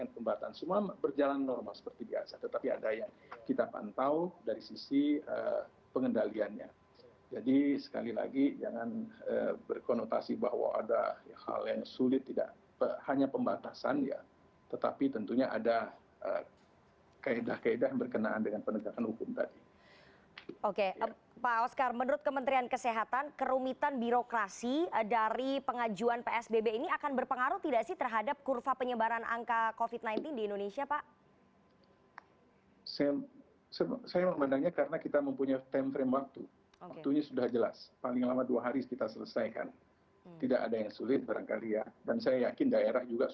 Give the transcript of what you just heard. pembatasan sosial berskala besar